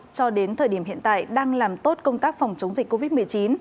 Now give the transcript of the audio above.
cho đến thời điểm hiện tại đang làm tốt công tác phòng chống dịch covid một mươi chín